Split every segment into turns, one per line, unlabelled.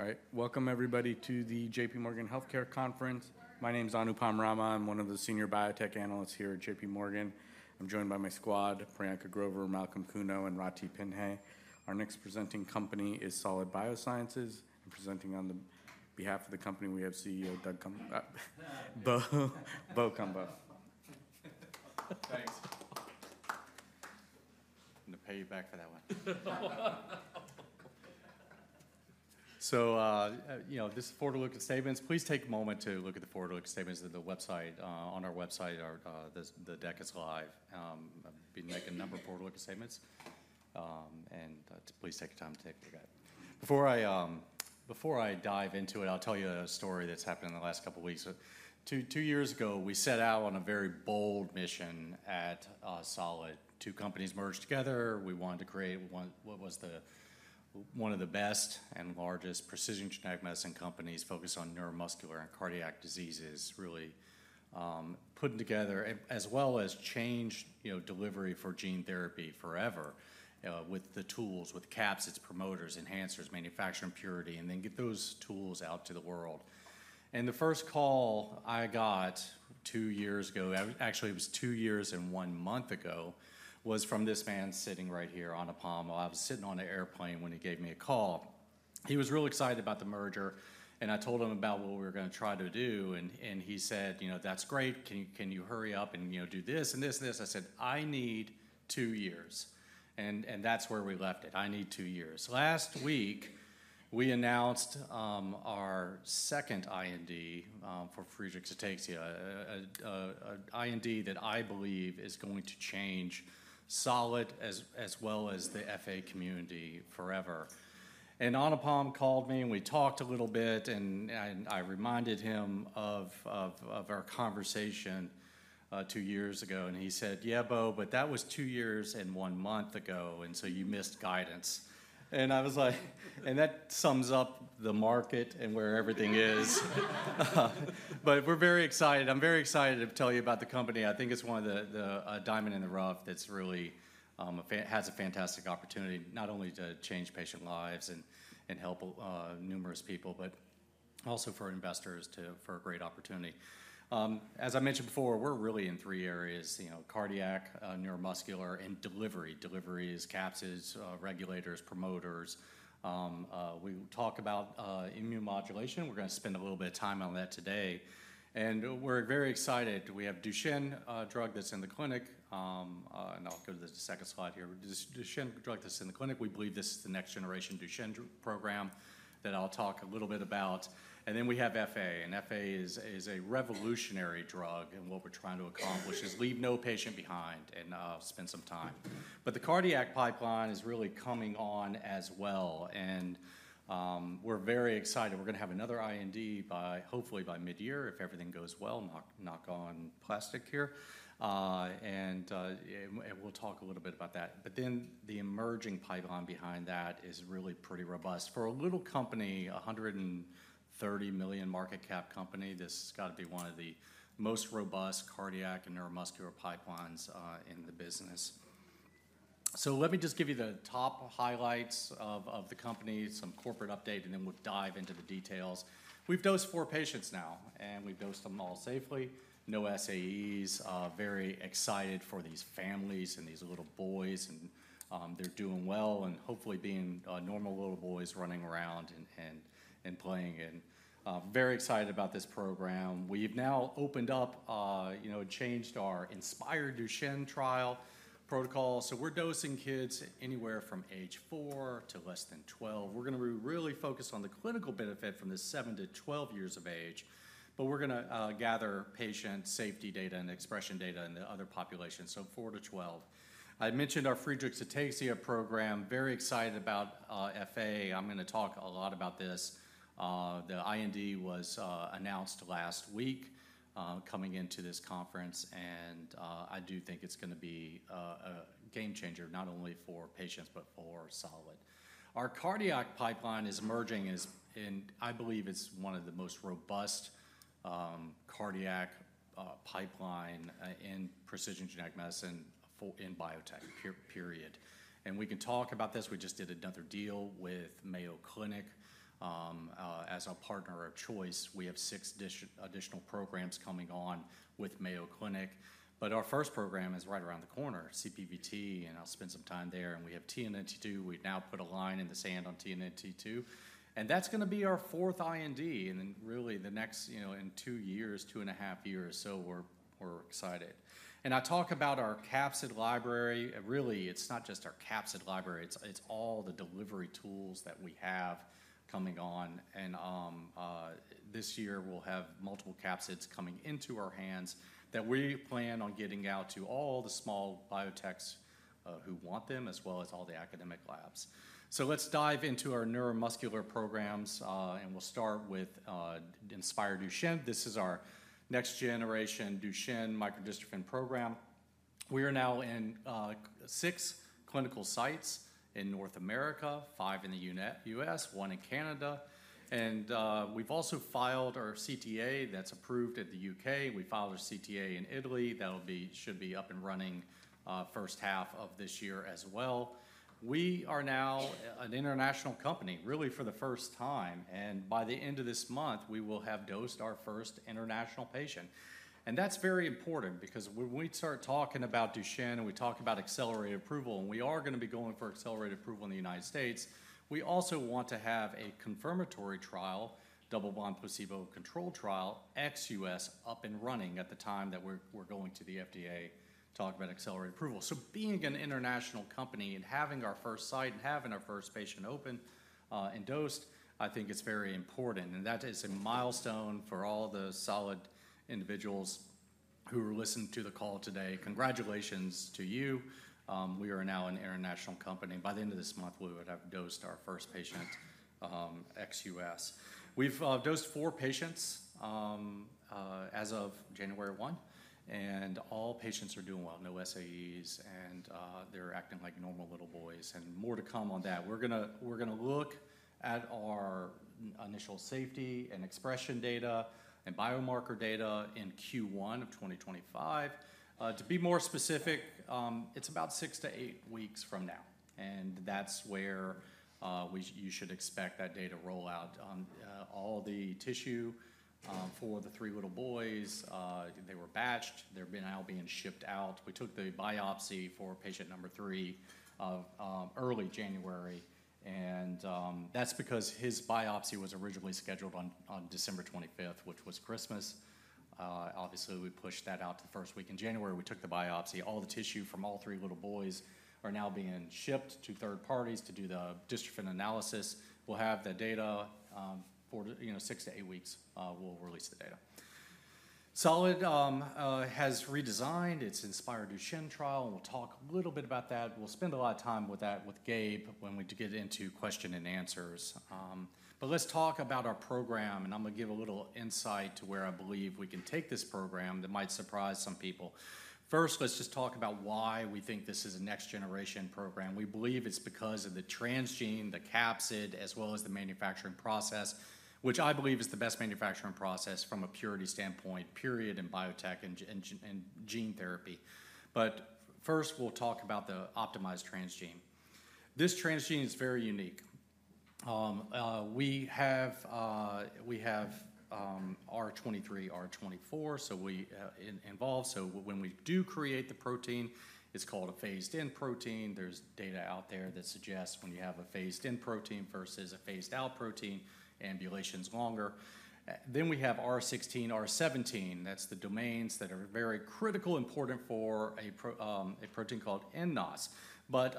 All right, welcome everybody to the J.P. Morgan Healthcare Conference. My name is Anupam Rama. I'm one of the senior biotech analysts here at J.P. Morgan. I'm joined by my squad: Priyanka Grover, Malcolm Kuno, and Rati Pinhe. Our next presenting company is Solid Biosciences. I'm presenting on behalf of the company. We have CEO Bo Cumbo.
Thanks. I'm going to pay you back for that one. So, you know, this is Forward-Looking Statements. Please take a moment to look at the Forward-Looking Statements on our website. The deck is live. I've been making a number of Forward-Looking Statements. And please take the time to take a look at it. Before I dive into it, I'll tell you a story that's happened in the last couple of weeks. Two years ago, we set out on a very bold mission at Solid. Two companies merged together. We wanted to create what was one of the best and largest precision genetic medicine companies focused on neuromuscular and cardiac diseases, really putting together, as well as change, you know, delivery for gene therapy forever with the tools, with capsids promoters, enhancers, manufacturing purity, and then get those tools out to the world. And the first call I got two years ago, actually it was two years and one month ago, was from this man sitting right here, Anupam. I was sitting on an airplane when he gave me a call. He was real excited about the merger, and I told him about what we were going to try to do. And he said, you know, that's great. Can you hurry up and, you know, do this and this and this? I said, I need two years. And that's where we left it. I need two years. Last week, we announced our second IND for Friedreich's ataxia, an IND that I believe is going to change Solid as well as the FA community forever. And Anupam called me, and we talked a little bit, and I reminded him of our conversation two years ago. And he said, yeah, Bo, but that was two years and one month ago. And so you missed guidance. And I was like, and that sums up the market and where everything is. But we're very excited. I'm very excited to tell you about the company. I think it's one of the diamonds in the rough that really has a fantastic opportunity, not only to change patient lives and help numerous people, but also for investors too, for a great opportunity. As I mentioned before, we're really in three areas, you know, cardiac, neuromuscular, and delivery. Delivery is capsids, regulators, promoters. We talk about immune modulation. We're going to spend a little bit of time on that today, and we're very excited. We have Duchenne drug that's in the clinic, and I'll go to the second slide here. Duchenne drug that's in the clinic. We believe this is the next generation Duchenne program that I'll talk a little bit about, and then we have FA. And FA is a revolutionary drug. And what we're trying to accomplish is leave no patient behind and spend some time, but the cardiac pipeline is really coming on as well, and we're very excited. We're going to have another IND by, hopefully, by mid-year, if everything goes well. Knock on plastic here, and we'll talk a little bit about that, but then the emerging pipeline behind that is really pretty robust. For a little company, a $130 million market cap company, this has got to be one of the most robust cardiac and neuromuscular pipelines in the business. So let me just give you the top highlights of the company, some corporate update, and then we'll dive into the details. We've dosed four patients now, and we've dosed them all safely. No SAEs. Very excited for these families and these little boys. And they're doing well and hopefully being normal little boys running around and playing. And very excited about this program. We have now opened up, you know, changed our INSPIRE Duchenne trial protocol. So we're dosing kids anywhere from age four to less than 12 years. We're going to really focus on the clinical benefit from the 7 years - 12 years of age. But we're going to gather patient safety data and expression data in the other population. So 4 years - 12 years. I mentioned our Friedreich's ataxia program. Very excited about FA. I'm going to talk a lot about this. The IND was announced last week coming into this conference. And I do think it's going to be a game changer, not only for patients, but for Solid. Our cardiac pipeline is emerging as, and I believe it's one of the most robust cardiac pipeline in precision genetic medicine in biotech. Period. And we can talk about this. We just did another deal with Mayo Clinic as our partner of choice. We have six additional programs coming on with Mayo Clinic. But our first program is right around the corner, CPVT, and I'll spend some time there. And we have TNNT2. We've now put a line in the sand on TNNT2. And that's going to be our fourth IND. And really the next, you know, in two years, two and a half years. So we're excited. And I talk about our capsid library. Really, it's not just our capsid library. It's all the delivery tools that we have coming on. And this year, we'll have multiple capsids coming into our hands that we plan on getting out to all the small biotechs who want them, as well as all the academic labs. So let's dive into our neuromuscular programs. And we'll start with Inspired Duchenne. This is our next-generation Duchenne microdystrophin program. We are now in six clinical sites in North America, five in the U.S., one in Canada. And we've also filed our CTA that's approved at the U.K. We filed our CTA in Italy. That should be up and running first half of this year as well. We are now an international company, really for the first time. By the end of this month, we will have dosed our first international patient. That's very important because when we start talking about Duchenne and we talk about accelerated approval, and we are going to be going for accelerated approval in the United States, we also want to have a confirmatory trial, double-blind placebo-controlled trial, ex-U.S., up and running at the time that we're going to the FDA to talk about accelerated approval. Being an international company and having our first site and having our first patient open and dosed, I think it's very important. That is a milestone for all the Solid individuals who listened to the call today. Congratulations to you. We are now an international company. By the end of this month, we would have dosed our first patient, ex-U.S.. We've dosed four patients as of January 1, and all patients are doing well. No SAEs, and they're acting like normal little boys, and more to come on that. We're going to look at our initial safety and expression data and biomarker data in Q1 of 2025. To be more specific, it's about six to eight weeks from now, and that's where you should expect that data roll out. All the tissue for the three little boys, they were batched. They're now being shipped out. We took the biopsy for patient number three in early January, and that's because his biopsy was originally scheduled on December 25th, which was Christmas. Obviously, we pushed that out to the first week in January. We took the biopsy. All the tissue from all three little boys is now being shipped to third parties to do the dystrophin analysis. We'll have the data for, you know, six to eight weeks. We'll release the data. Solid has redesigned its INSPIRE Duchenne trial. And we'll talk a little bit about that. We'll spend a lot of time with that with Gabe when we get into question and answers. But let's talk about our program. And I'm going to give a little insight to where I believe we can take this program that might surprise some people. First, let's just talk about why we think this is a next generation program. We believe it's because of the transgene, the capsid, as well as the manufacturing process, which I believe is the best manufacturing process from a purity standpoint, period, in biotech and gene therapy. But first, we'll talk about the optimized transgene. This transgene is very unique. We have R23, R24, so we involve. When we do create the protein, it's called a full-length protein. There's data out there that suggests when you have a full-length protein versus a truncated protein, ambulation is longer. We have R16, R17. That's the domains that are very critical, important for a protein called nNOS. But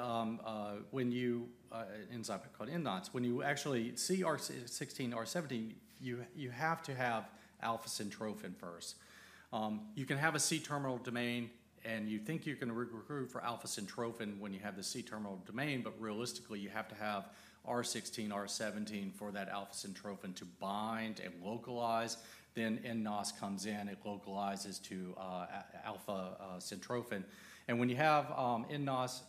when you have an enzyme called nNOS, when you actually see R16, R17, you have to have alpha-syntrophin first. You can have a C-terminal domain, and you think you can recruit for alpha-syntrophin when you have the C-terminal domain, but realistically, you have to have R16, R17 for that alpha-syntrophin to bind and localize. nNOS comes in. It localizes to alpha-syntrophin. When you have nNOS,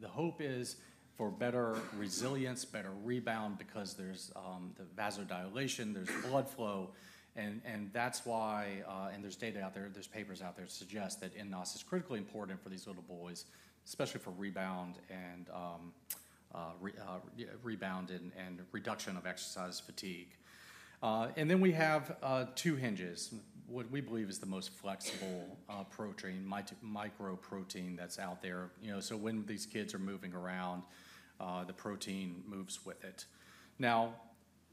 the hope is for better resilience, better rebound, because there's the vasodilation, there's blood flow. That's why, and there's data out there, there's papers out there that suggest that nNOS is critically important for these little boys, especially for rebound and reduction of exercise fatigue. Then we have two hinges, what we believe is the most flexible protein, microdystrophin that's out there. You know, so when these kids are moving around, the protein moves with it. Now,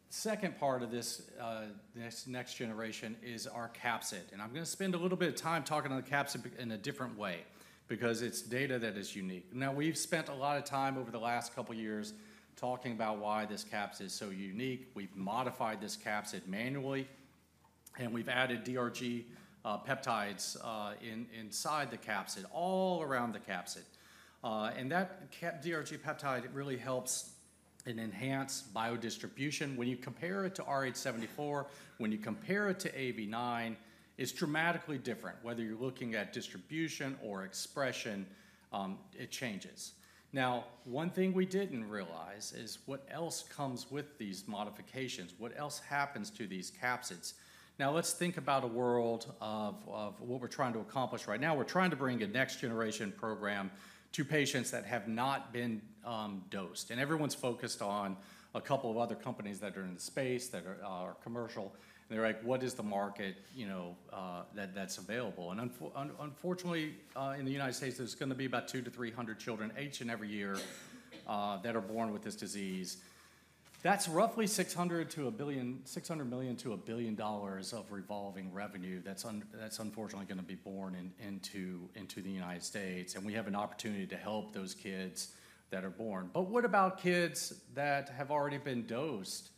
the second part of this next generation is our capsid. And I'm going to spend a little bit of time talking on the capsid in a different way because it's data that is unique. Now, we've spent a lot of time over the last couple of years talking about why this capsid is so unique. We've modified this capsid manually, and we've added DRG peptides inside the capsid, all around the capsid. And that DRG peptide really helps and enhances biodistribution. When you compare it to AAVrh74, when you compare it to AAV9, it's dramatically different. Whether you're looking at distribution or expression, it changes. Now, one thing we didn't realize is what else comes with these modifications. What else happens to these capsids? Now, let's think about a world of what we're trying to accomplish right now. We're trying to bring a next generation program to patients that have not been dosed. And everyone's focused on a couple of other companies that are in the space that are commercial. And they're like, what is the market, you know, that's available? And unfortunately, in the United States, there's going to be about 200-300 children each and every year that are born with this disease. That's roughly $600 million-$1 billion, $600 million to $1 billion of revolving revenue that's unfortunately going to be born into the United States, and we have an opportunity to help those kids that are born. But what about kids that have already been dosed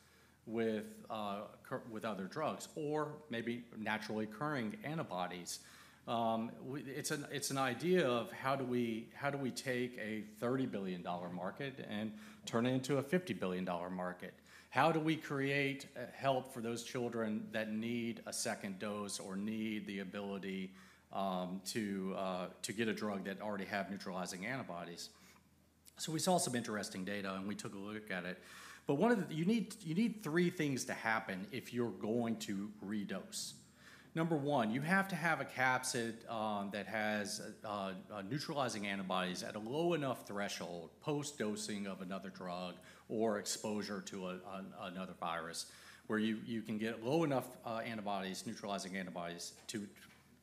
with other drugs or maybe naturally occurring antibodies? It's an idea of how do we take a $30 billion market and turn it into a $50 billion market? How do we create help for those children that need a second dose or need the ability to get a drug that already has neutralizing antibodies? So we saw some interesting data, and we took a look at it, but one of the, you need three things to happen if you're going to redose. Number one, you have to have a capsid that has neutralizing antibodies at a low enough threshold post-dosing of another drug or exposure to another virus where you can get low enough antibodies, neutralizing antibodies to,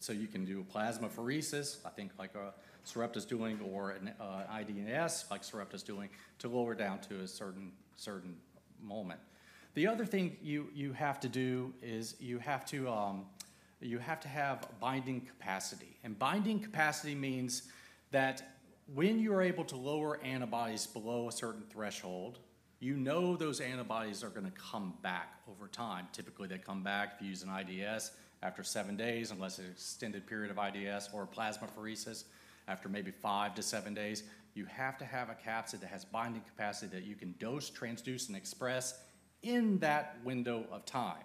so you can do a plasmapheresis, I think like a Sarepta is doing, or an IdeS like Sarepta is doing to lower down to a certain moment. The other thing you have to do is you have to have binding capacity. And binding capacity means that when you are able to lower antibodies below a certain threshold, you know those antibodies are going to come back over time. Typically, they come back if you use an IdeS after seven days, unless an extended period of IdeS or plasmapheresis after maybe five to seven days. You have to have a capsid that has binding capacity that you can dose, transduce, and express in that window of time.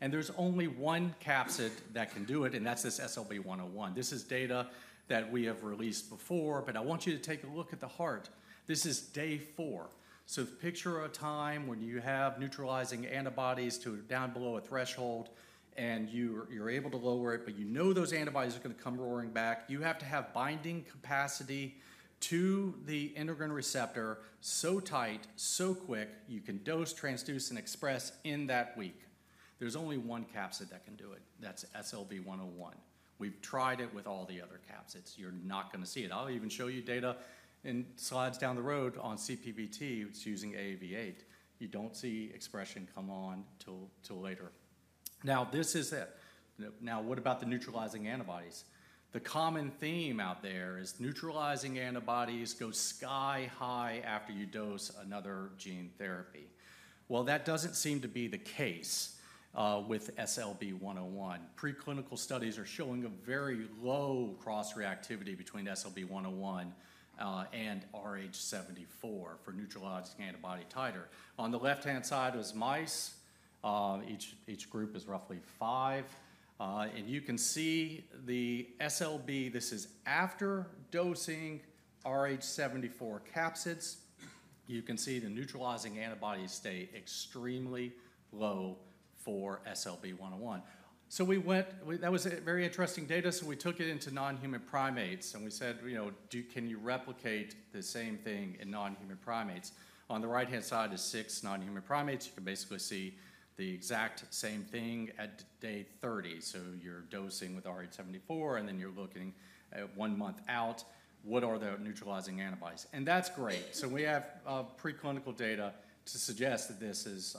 And there's only one capsid that can do it, and that's this SLB101. This is data that we have released before. But I want you to take a look at the heart. This is day four. So picture a time when you have neutralizing antibodies down below a threshold, and you're able to lower it, but you know those antibodies are going to come roaring back. You have to have binding capacity to the endocrine receptor so tight, so quick, you can dose, transduce, and express in that week. There's only one capsid that can do it. That's SLB101. We've tried it with all the other capsids. You're not going to see it. I'll even show you data in slides down the road on CPVT. It's using AAV8. You don't see expression come on till later. Now, this is it. Now, what about the neutralizing antibodies? The common theme out there is neutralizing antibodies go sky high after you dose another gene therapy. Well, that doesn't seem to be the case with SLB101. Pre-clinical studies are showing a very low cross-reactivity between SLB101 and AAVrh74 for neutralizing antibody titer. On the left-hand side is mice. Each group is roughly five. And you can see the SLB, this is after dosing AAVrh74 capsids. You can see the neutralizing antibodies stay extremely low for SLB101. So we went, that was very interesting data. So we took it into non-human primates. And we said, you know, can you replicate the same thing in non-human primates? On the right-hand side is six non-human primates. You can basically see the exact same thing at day 30. So you're dosing with rh74, and then you're looking at one month out, what are the neutralizing antibodies? And that's great. So we have pre-clinical data to suggest that this is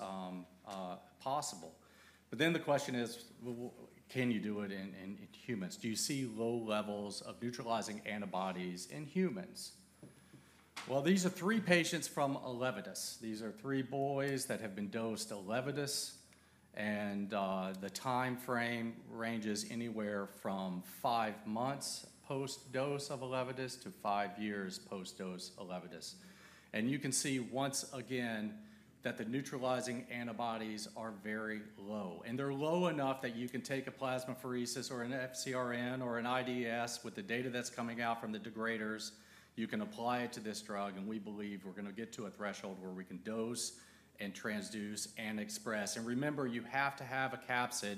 possible. But then the question is, can you do it in humans? Do you see low levels of neutralizing antibodies in humans? Well, these are three patients from ELEVIDYS. These are three boys that have been dosed ELEVIDYS. And the time frame ranges anywhere from five months post-dose of ELEVIDYS to five years post-dose ELEVIDYS. And you can see once again that the neutralizing antibodies are very low. And they're low enough that you can take a plasmapheresis or an FcRn or an IDS with the data that's coming out from the degraders. You can apply it to this drug. And we believe we're going to get to a threshold where we can dose and transduce and express. And remember, you have to have a capsid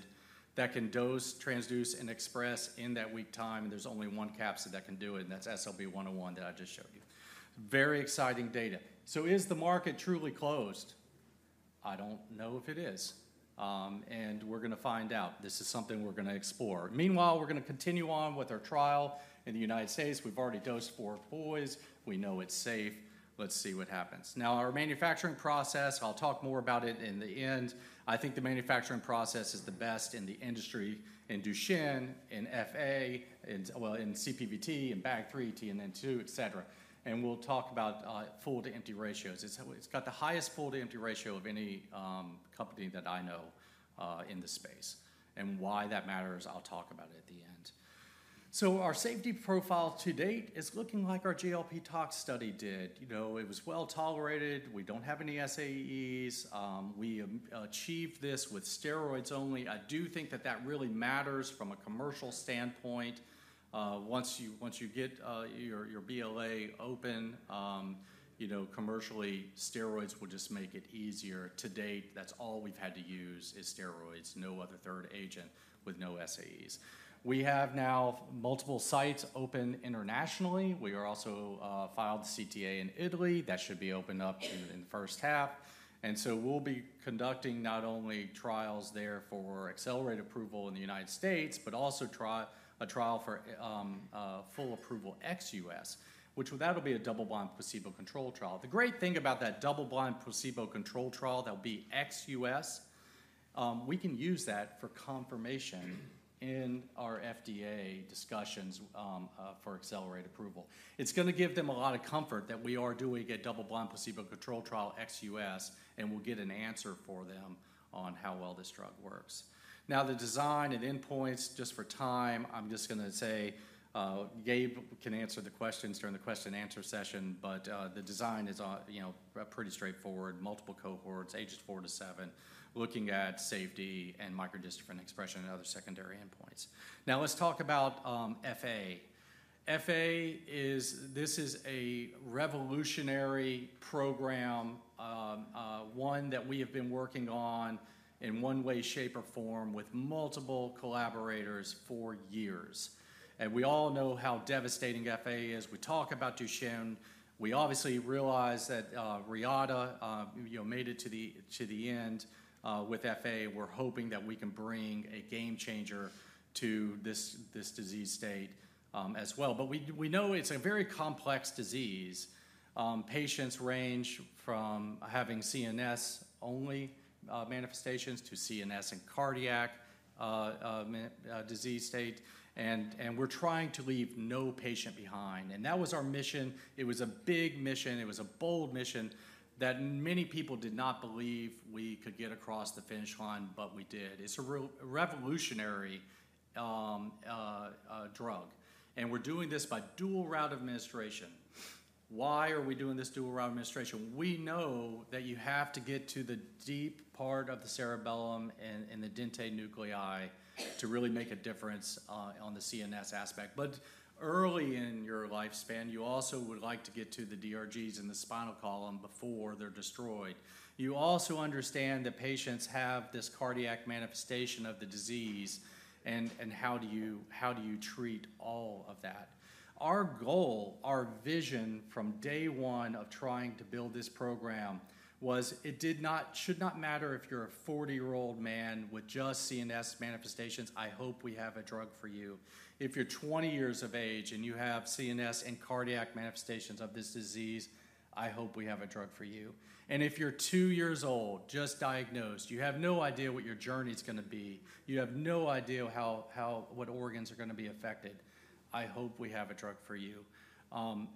that can dose, transduce, and express in that week time. And there's only one capsid that can do it. And that's SLB101 that I just showed you. Very exciting data. So is the market truly closed? I don't know if it is. And we're going to find out. This is something we're going to explore. Meanwhile, we're going to continue on with our trial in the United States. We've already dosed four boys. We know it's safe. Let's see what happens. Now, our manufacturing process, I'll talk more about it in the end. I think the manufacturing process is the best in the industry in Duchenne, in FA, well, in CPVT, in BAG3, TNNT2, etc. And we'll talk about full to empty ratios. It's got the highest full to empty ratio of any company that I know in the space. Why that matters, I'll talk about it at the end. So our safety profile to date is looking like our GLP tox study did. You know, it was well tolerated. We don't have any SAEs. We achieved this with steroids only. I do think that that really matters from a commercial standpoint. Once you get your BLA open, you know, commercially, steroids will just make it easier. To date, that's all we've had to use is steroids, no other third agent with no SAEs. We have now multiple sites open internationally. We have also filed the CTA in Italy. That should be opened up in the first half. And so we'll be conducting not only trials there for accelerated approval in the United States, but also a trial for full approval ex-U.S.., which that'll be a double-blind placebo-controlled trial. The great thing about that double-blind placebo control trial that will be ex-U.S.., we can use that for confirmation in our FDA discussions for accelerated approval. It's going to give them a lot of comfort that we are doing a double-blind placebo control trial ex-U.S.., and we'll get an answer for them on how well this drug works. Now, the design and endpoints, just for time, I'm just going to say, Gabe can answer the questions during the question and answer session, but the design is, you know, pretty straightforward, multiple cohorts, ages four to seven, looking at safety and microdystrophin expression and other secondary endpoints. Now, let's talk about FA. FA is, this is a revolutionary program, one that we have been working on in one way, shape, or form with multiple collaborators for years. And we all know how devastating FA is. We talk about Duchenne. We obviously realize that Reata, you know, made it to the end with FA. We're hoping that we can bring a game changer to this disease state as well, but we know it's a very complex disease. Patients range from having CNS only manifestations to CNS and cardiac disease state, and we're trying to leave no patient behind, and that was our mission. It was a big mission. It was a bold mission that many people did not believe we could get across the finish line, but we did. It's a revolutionary drug, and we're doing this by dual-route administration. Why are we doing this dual-route administration? We know that you have to get to the deep part of the cerebellum and the dentate nuclei to really make a difference on the CNS aspect. Early in your lifespan, you also would like to get to the DRGs in the spinal column before they're destroyed. You also understand that patients have this cardiac manifestation of the disease, and how do you treat all of that? Our goal, our vision from day one of trying to build this program was it should not matter if you're a 40-year-old man with just CNS manifestations. I hope we have a drug for you. If you're 20 years of age and you have CNS and cardiac manifestations of this disease, I hope we have a drug for you. And if you're two years old, just diagnosed, you have no idea what your journey is going to be. You have no idea what organs are going to be affected. I hope we have a drug for you.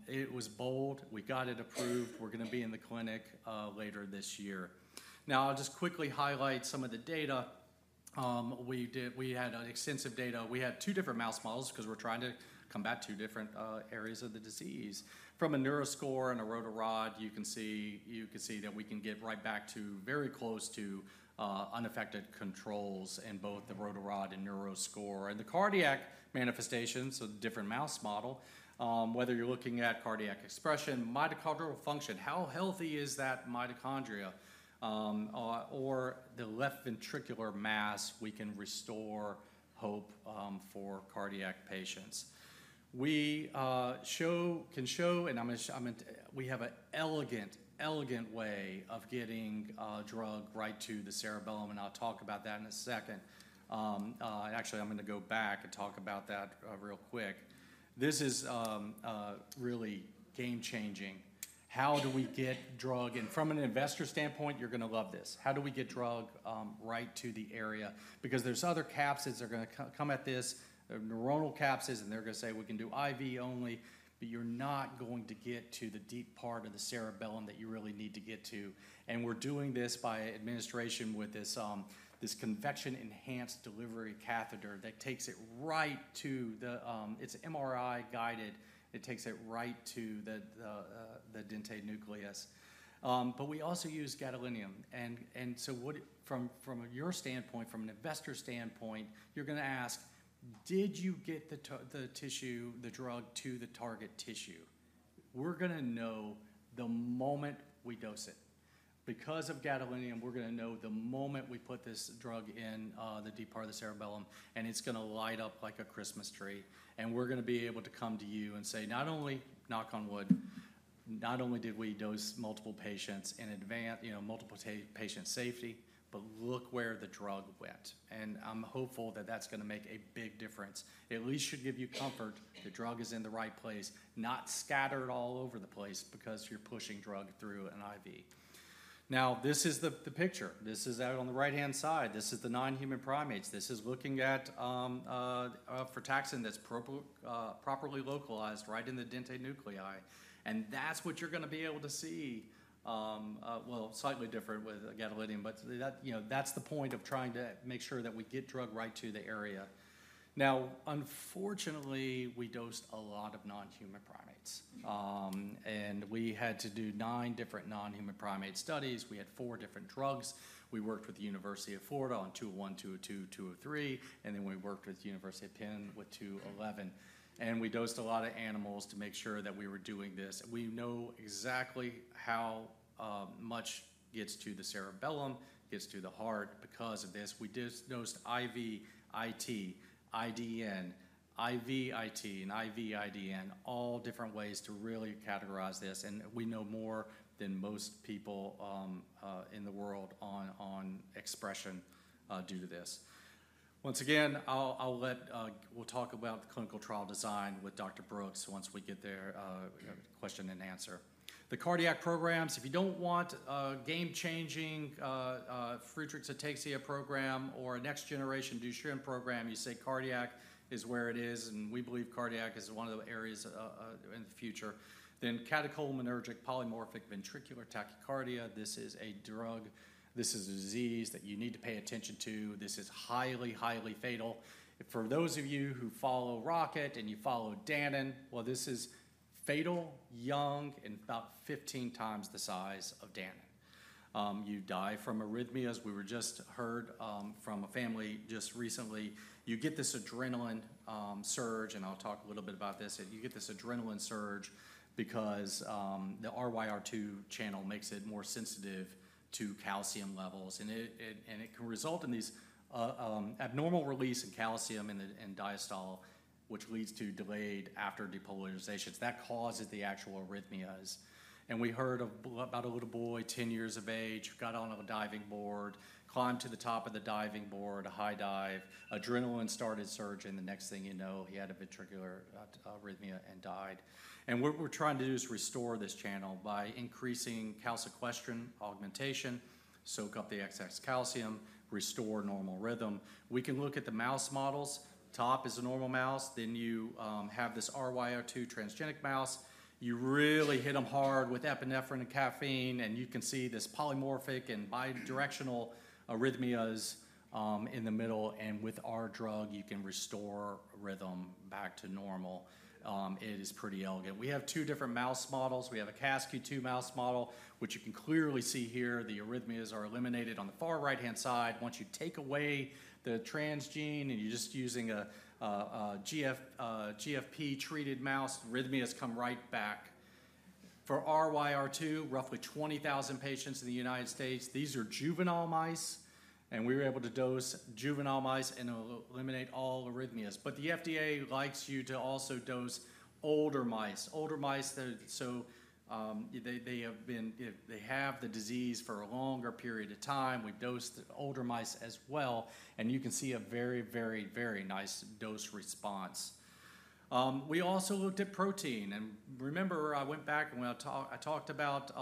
It was bold. We got it approved. We're going to be in the clinic later this year. Now, I'll just quickly highlight some of the data. We had extensive data. We had two different mouse models because we're trying to combat two different areas of the disease. From a NeuroScore and a Rotarod, you can see that we can get right back to very close to unaffected controls in both the Rotarod and NeuroScore. And the cardiac manifestations, so the different mouse model, whether you're looking at cardiac expression, mitochondrial function, how healthy is that mitochondria, or the left ventricular mass, we can restore hope for cardiac patients. We can show, and we have an elegant, elegant way of getting drug right to the cerebellum, and I'll talk about that in a second. Actually, I'm going to go back and talk about that real quick. This is really game-changing. How do we get drug? And from an investor standpoint, you're going to love this. How do we get drug right to the area? Because there's other capsids that are going to come at this, neuronal capsids, and they're going to say we can do IV only, but you're not going to get to the deep part of the cerebellum that you really need to get to. And we're doing this by administration with this convection-enhanced delivery catheter that takes it right to the, it's MRI-guided. It takes it right to the dentate nucleus. But we also use gadolinium. And so from your standpoint, from an investor standpoint, you're going to ask, did you get the tissue, the drug to the target tissue? We're going to know the moment we dose it. Because of gadolinium, we're going to know the moment we put this drug in the deep part of the cerebellum, and it's going to light up like a Christmas tree. And we're going to be able to come to you and say, not only, knock on wood, not only did we dose multiple patients in advance, you know, multiple patient safety, but look where the drug went. And I'm hopeful that that's going to make a big difference. It at least should give you comfort. The drug is in the right place, not scattered all over the place because you're pushing drug through an IV. Now, this is the picture. This is out on the right-hand side. This is the non-human primates. This is looking at a frataxin that's properly localized right in the dentate nuclei. And that's what you're going to be able to see. Slightly different with gadolinium, but that's the point of trying to make sure that we get drug right to the area. Now, unfortunately, we dosed a lot of non-human primates. We had to do nine different non-human primate studies. We had four different drugs. We worked with the University of Florida on 201, 202, 203, and then we worked with the University of Pennsylvania with 2011. We dosed a lot of animals to make sure that we were doing this. We know exactly how much gets to the cerebellum, gets to the heart because of this. We just dosed IV, IT, IDN, IV, IT, and IV, IDN, all different ways to really categorize this. We know more than most people in the world on expression due to this. Once again, we'll talk about the clinical trial design with Dr. Brooks, once we get their question and answer. The cardiac programs, if you don't want a game-changing Friedreich's ataxia program or a next-generation Duchenne program, you say cardiac is where it is, and we believe cardiac is one of the areas in the future. Then catecholaminergic polymorphic ventricular tachycardia, this is a drug, this is a disease that you need to pay attention to. This is highly, highly fatal. For those of you who follow Rocket and you follow Danon, well, this is fatal, young, and about 15 times the size of Danon. You die from arrhythmias. We were just heard from a family just recently. You get this adrenaline surge, and I'll talk a little bit about this. You get this adrenaline surge because the RyR2 channel makes it more sensitive to calcium levels. It can result in these abnormal release in calcium and diastole, which leads to delayed after depolarizations. That causes the actual arrhythmias. We heard about a little boy, 10 years of age, got on a diving board, climbed to the top of the diving board, a high dive. Adrenaline started surging. The next thing you know, he had a ventricular arrhythmia and died. What we're trying to do is restore this channel by increasing calcium sequestration augmentation, soak up the excess calcium, restore normal rhythm. We can look at the mouse models. Top is a normal mouse. Then you have this RyR2 transgenic mouse. You really hit them hard with epinephrine and caffeine, and you can see this polymorphic and bidirectional arrhythmias in the middle. With our drug, you can restore rhythm back to normal. It is pretty elegant. We have two different mouse models. We have a CASQ2 mouse model, which you can clearly see here. The arrhythmias are eliminated on the far right-hand side. Once you take away the transgene and you're just using a GFP-treated mouse, arrhythmias come right back. For RyR2, roughly 20,000 patients in the United States. These are juvenile mice, and we were able to dose juvenile mice and eliminate all arrhythmias, but the FDA likes you to also dose older mice. Older mice, so they have the disease for a longer period of time. We dosed older mice as well, and you can see a very, very, very nice dose response. We also looked at protein, and remember, I went back and I talked about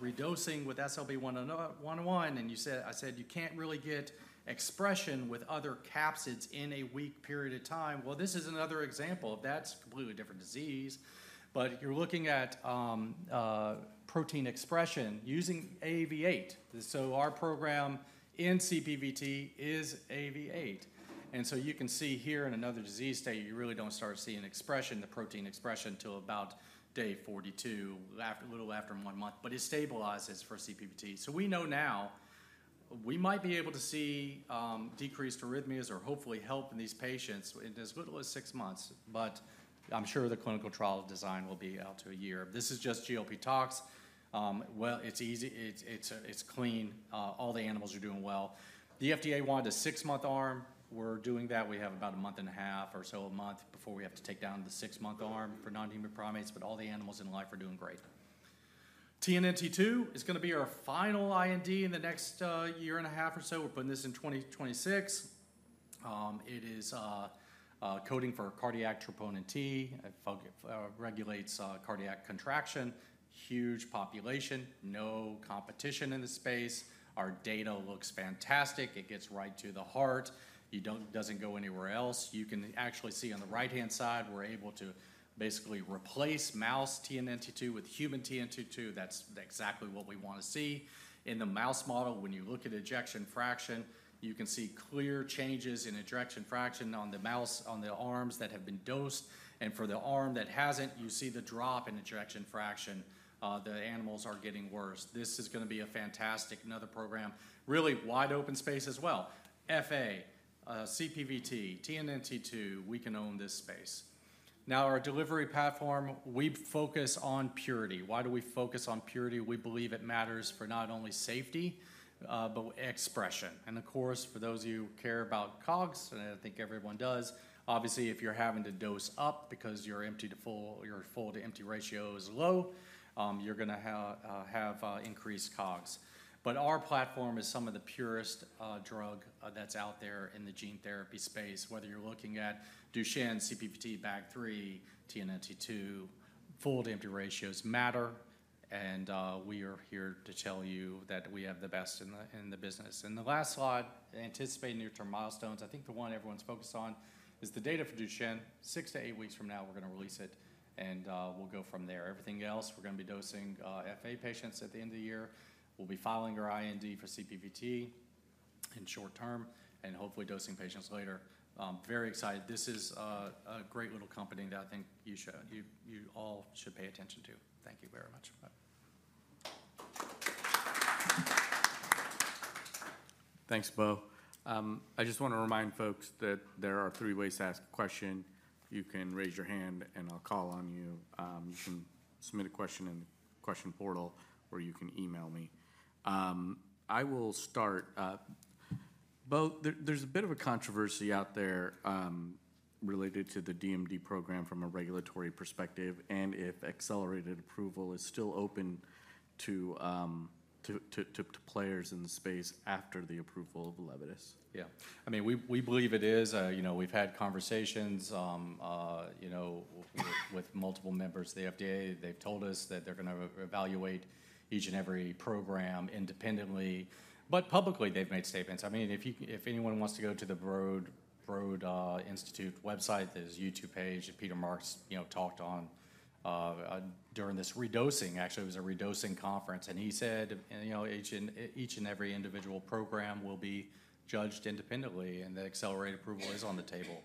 redosing with SLB101. And I said, you can't really get expression with other capsids in a week period of time, well, this is another example. That's completely a different disease. But you're looking at protein expression using AAV8. So our program in CPVT is AAV8. And so you can see here in another disease state, you really don't start seeing expression, the protein expression until about day 42, a little after one month, but it stabilizes for CPVT. So we know now we might be able to see decreased arrhythmias or hopefully help in these patients in as little as six months. But I'm sure the clinical trial design will be out to a year. This is just GLP tox. Well, it's easy. It's clean. All the animals are doing well. The FDA wanted a six-month arm. We're doing that. We have about a month and a half or so a month before we have to take down the six-month arm for non-human primates. But all the animals in life are doing great. TNNT2 is going to be our final IND in the next year and a half or so. We're putting this in 2026. It is coding for cardiac troponin T. It regulates cardiac contraction. Huge population. No competition in the space. Our data looks fantastic. It gets right to the heart. It doesn't go anywhere else. You can actually see on the right-hand side, we're able to basically replace mouse TNNT2 with human TNNT2. That's exactly what we want to see. In the mouse model, when you look at ejection fraction, you can see clear changes in ejection fraction on the arms that have been dosed. And for the arm that hasn't, you see the drop in ejection fraction. The animals are getting worse. This is going to be a fantastic another program. Really wide open space as well. FA, CPVT, TNNT2, we can own this space. Now, our delivery platform, we focus on purity. Why do we focus on purity? We believe it matters for not only safety, but expression. And of course, for those of you who care about COGS, and I think everyone does, obviously, if you're having to dose up because your full-to-empty ratio is low, you're going to have increased COGS. But our platform is some of the purest drug that's out there in the gene therapy space. Whether you're looking at Duchenne, CPVT, BAG3, TNNT2, full-to-empty ratios matter. And we are here to tell you that we have the best in the business. And the last slot, anticipating near-term milestones. I think the one everyone's focused on is the data for Duchenne. Six to eight weeks from now, we're going to release it. And we'll go from there. Everything else, we're going to be dosing FA patients at the end of the year. We'll be filing our IND for CPVT in short term and hopefully dosing patients later. Very excited. This is a great little company that I think you all should pay attention to. Thank you very much.
Thanks, Bo. I just want to remind folks that there are three ways to ask a question. You can raise your hand and I'll call on you. You can submit a question in the question portal or you can email me. I will start. Bo, there's a bit of a controversy out there related to the DMD program from a regulatory perspective and if accelerated approval is still open to players in the space after the approval of ELEVIDYS.
Yeah. I mean, we believe it is. We've had conversations with multiple members of the FDA. They've told us that they're going to evaluate each and every program independently, but publicly, they've made statements. I mean, if anyone wants to go to the Broad Institute website, there's a YouTube page that Peter Marks talked on during this redosing. Actually, it was a redosing conference. He said each and every individual program will be judged independently and that accelerated approval is on the table.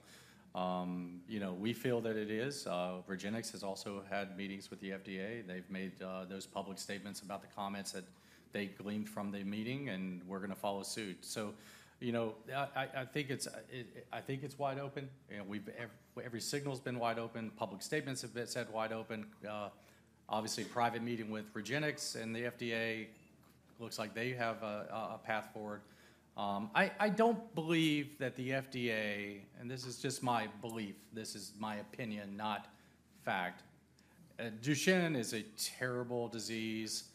We feel that it is. REGENXBIO has also had meetings with the FDA. They've made those public statements about the comments that they gleaned from the meeting and we're going to follow suit. I think it's wide open. Every signal has been wide open. Public statements have been said wide open. Obviously, private meeting with REGENXBIO and the FDA looks like they have a path forward. I don't believe that the FDA, and this is just my belief, this is my opinion, not fact. Duchenne is a terrible disease.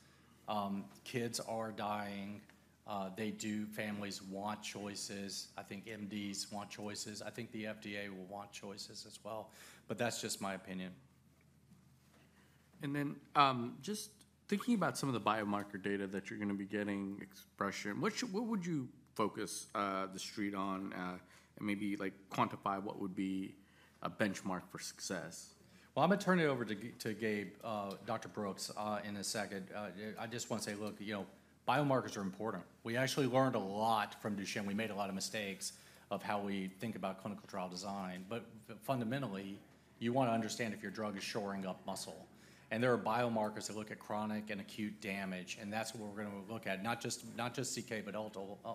Kids are dying. Families want choices. I think MDs want choices. I think the FDA will want choices as well. But that's just my opinion.
And then just thinking about some of the biomarker data that you're going to be getting expression, what would you focus the street on and maybe quantify what would be a benchmark for success?
Well, I'm going to turn it over to Gabe, Dr. Brooks, in a second. I just want to say, look, biomarkers are important. We actually learned a lot from Duchenne. We made a lot of mistakes of how we think about clinical trial design. But fundamentally, you want to understand if your drug is shoring up muscle. And there are biomarkers that look at chronic and acute damage. And that's what we're going to look at, not just CK, but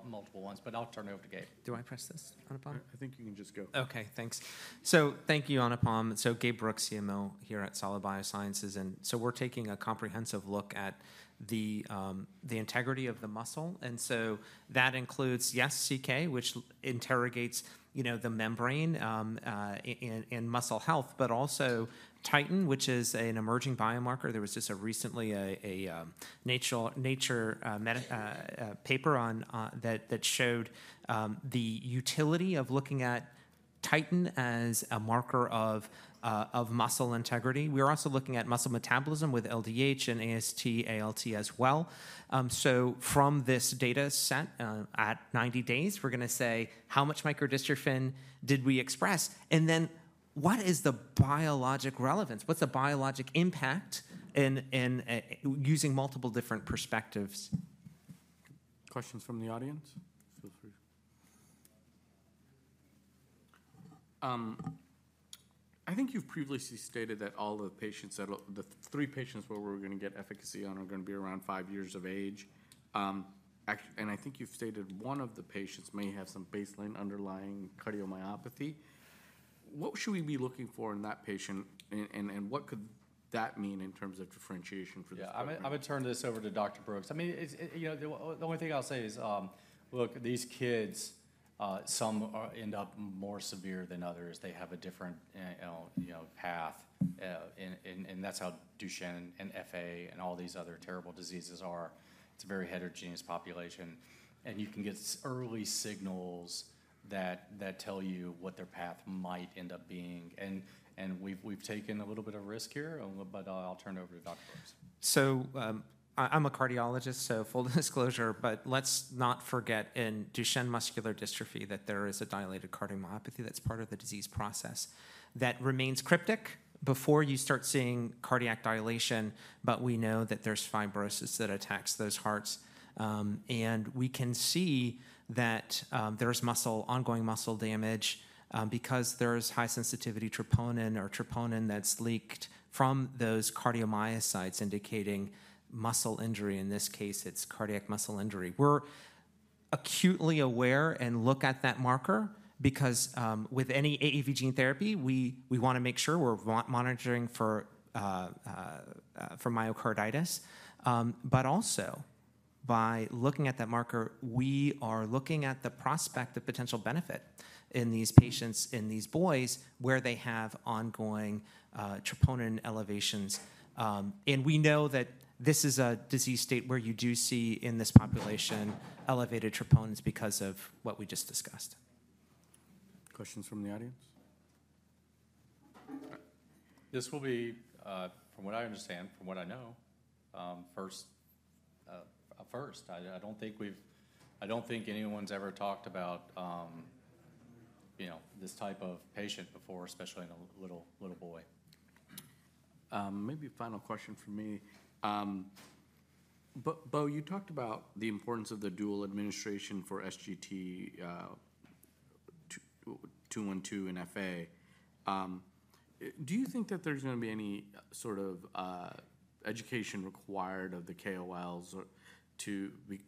multiple ones. But I'll turn it over to Gabe.
Do I press this, Anupam?
I think you can just go.
Okay, thanks. So thank you, Anupam. So Gabe Brooks, CMO here at Solid Biosciences. And so we're taking a comprehensive look at the integrity of the muscle. And so that includes, yes, CK, which interrogates the membrane and muscle health, but also Titin, which is an emerging biomarker. There was just recently a Nature paper that showed the utility of looking at Titin as a marker of muscle integrity. We're also looking at muscle metabolism with LDH and AST, ALT as well. So from this data set at 90 days, we're going to say how much microdystrophin did we express? And then what is the biologic relevance? What's the biologic impact in using multiple different perspectives?
Questions from the audience? Feel free. I think you've previously stated that all of the patients, the three patients where we're going to get efficacy on are going to be around five years of age. And I think you've stated one of the patients may have some baseline underlying cardiomyopathy. What should we be looking for in that patient? And what could that mean in terms of differentiation for this?
Yeah, I'm going to turn this over to Dr. Brooks. I mean, the only thing I'll say is, look, these kids, some end up more severe than others. They have a different path. And that's how Duchenne and FA and all these other terrible diseases are. It's a very heterogeneous population. And you can get early signals that tell you what their path might end up being, and we've taken a little bit of risk here. But I'll turn it over to Dr. Brooks.
So I'm a cardiologist, so full disclosure. But let's not forget in Duchenne muscular dystrophy that there is a dilated cardiomyopathy that's part of the disease process that remains cryptic before you start seeing cardiac dilation. But we know that there's fibrosis that attacks those hearts. And we can see that there's ongoing muscle damage because there's high-sensitivity troponin or troponin that's leaked from those cardiomyocytes indicating muscle injury. In this case, it's cardiac muscle injury. We're acutely aware and look at that marker because with any AAV gene therapy, we want to make sure we're monitoring for myocarditis. But also by looking at that marker, we are looking at the prospect, the potential benefit in these patients, in these boys where they have ongoing troponin elevations. We know that this is a disease state where you do see in this population elevated troponins because of what we just discussed.
Questions from the audience? This will be, from what I understand, from what I know, first. First, I don't think anyone's ever talked about this type of patient before, especially in a little boy. Maybe final question from me. But Bo, you talked about the importance of the dual administration for SGT-202 and FA. Do you think that there's going to be any sort of education required of the KOLs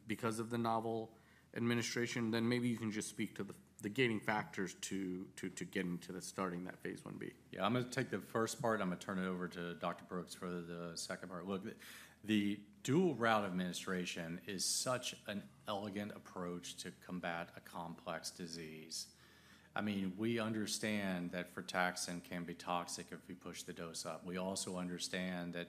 because of the novel administration? Then maybe you can just speak to the gating factors to getting to starting that phase 1B.
Yeah, I'm going to take the first part. I'm going to turn it over to Dr. Brooks for the second part. Look, the dual route administration is such an elegant approach to combat a complex disease. I mean, we understand that frataxin can be toxic if we push the dose up. We also understand that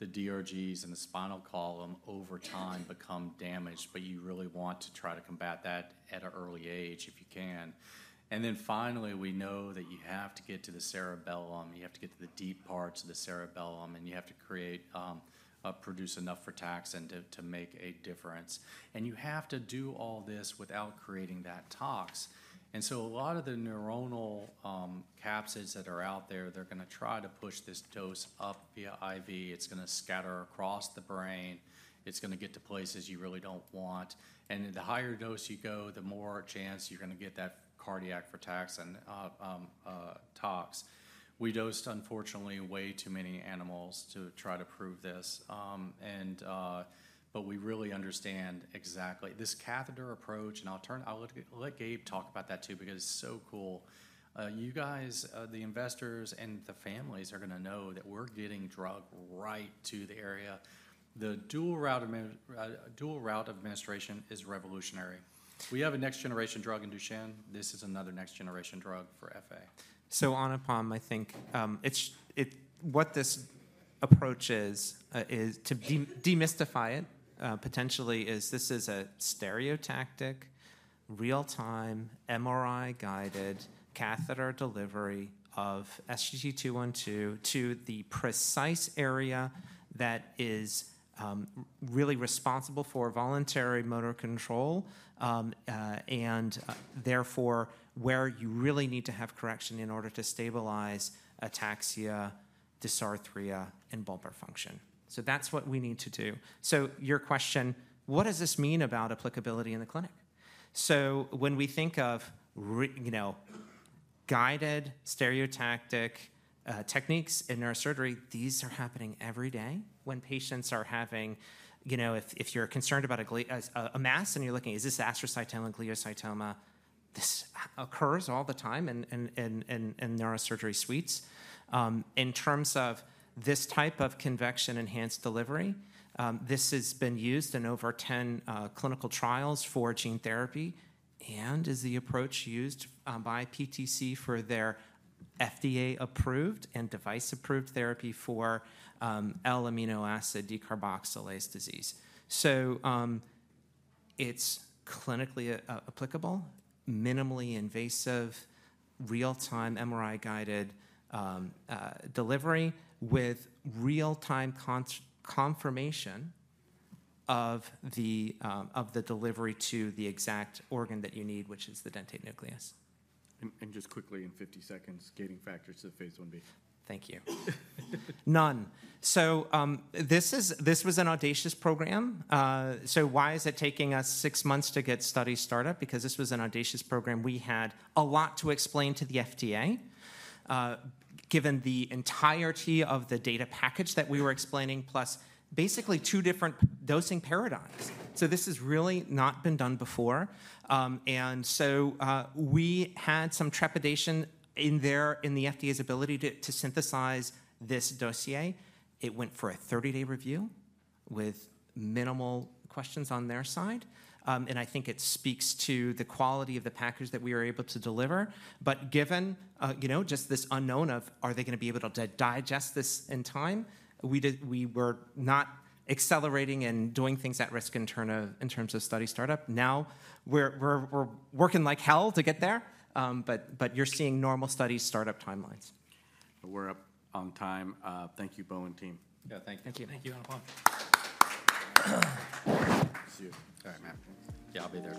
the DRGs and the spinal column over time become damaged. But you really want to try to combat that at an early age if you can. And then finally, we know that you have to get to the cerebellum. You have to get to the deep parts of the cerebellum. And you have to produce enough frataxin to make a difference. And you have to do all this without creating that tox. And so a lot of the neuronal capsids that are out there, they're going to try to push this dose up via IV. It's going to scatter across the brain. It's going to get to places you really don't want. The higher dose you go, the more chance you're going to get that cardiac frataxin tox. We dosed, unfortunately, way too many animals to try to prove this. We really understand exactly this catheter approach. I'll let Gabe talk about that too because it's so cool. You guys, the investors and the families are going to know that we're getting drug right to the area. The dual route administration is revolutionary. We have a next-generation drug in Duchenne. This is another next-generation drug for FA.
On the one hand, I think what this approach is to demystify it potentially is this is a stereotactic, real-time MRI-guided catheter delivery of SGT-202 to the precise area that is really responsible for voluntary motor control and therefore where you really need to have correction in order to stabilize ataxia, dysarthria, and bulbar function. That's what we need to do. Your question, what does this mean about applicability in the clinic? When we think of guided stereotactic techniques in neurosurgery, these are happening every day when patients are having, if you're concerned about a mass and you're looking, is this astrocytoma and glioblastoma? This occurs all the time in neurosurgery suites. In terms of this type of convection-enhanced delivery, this has been used in over 10 clinical trials for gene therapy and is the approach used by PTC for their FDA-approved and device-approved therapy for L-amino acid decarboxylase disease. It's clinically applicable, minimally invasive, real-time MRI-guided delivery with real-time confirmation of the delivery to the exact organ that you need, which is the dentate nucleus.
Just quickly in 50 seconds, gating factors to the phase 1b. Thank you.
None. This was an audacious program. So why is it taking us six months to get studies started? Because this was an audacious program. We had a lot to explain to the FDA given the entirety of the data package that we were explaining, plus basically two different dosing paradigms. So this has really not been done before. And so we had some trepidation in the FDA's ability to synthesize this dossier. It went for a 30-day review with minimal questions on their side. And I think it speaks to the quality of the package that we were able to deliver. But given just this unknown of are they going to be able to digest this in time, we were not accelerating and doing things at risk in terms of study startup. Now we're working like hell to get there. But you're seeing normal study startup timelines.
We're up on time. Thank you, Bo and team.
Yeah, thank you.
Thank you.
Thank you. All right, Matt. Yeah, I'll be there.